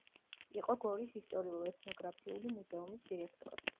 იყო გორის ისტორიულ-ეთნოგრაფიული მუზეუმის დირექტორი.